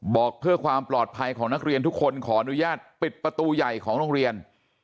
บอกเพื่อความปลอดภัยของนักเรียนทุกคนขออนุญาตปิดประตูใหญ่ของโรงเรียน